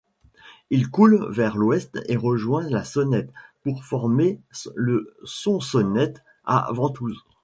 Il coule vers l'ouest et rejoint la Sonnette pour former le Son-Sonnette, à Ventouse.